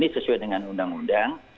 sesuai dengan undang undang